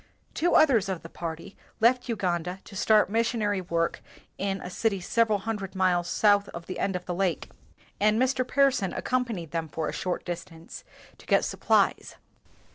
Two others of the party left Uganda to start missionary work hi a city several hundred miles south of the end of the lake, and Mr. Pearson accompanied them for a short distance, to get supplies.